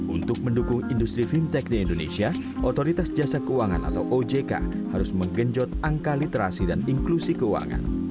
untuk mendukung industri fintech di indonesia otoritas jasa keuangan atau ojk harus menggenjot angka literasi dan inklusi keuangan